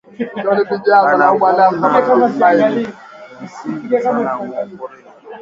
Bana vuna minji ya mingi sana mu pori